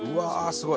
すごい。